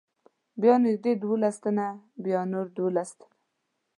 بیا نږدې دولس تنه، بیا نور دولس تنه.